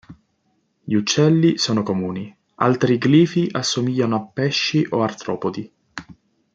Gli uccelli sono comuni; altri glifi assomigliano a pesci o artropodi.